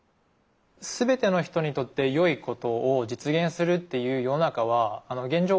全ての人にとって良いことを実現するっていう世の中は現状